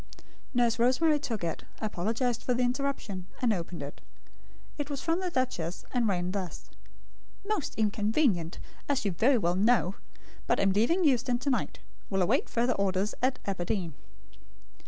Nurse Rosemary took it; apologised for the interruption, and opened it. It was from the duchess, and ran thus: MOST INCONVENIENT, AS YOU VERY WELL KNOW; BUT AM LEAVING EUSTON TO NIGHT. WILL AWAIT FURTHER ORDERS AT ABERDEEN.